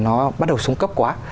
nó bắt đầu xuống cấp quá